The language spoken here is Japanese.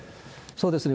そうですね。